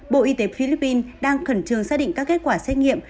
bộ y tế philippines đang khẩn trương xác định các kết quả xét nghiệm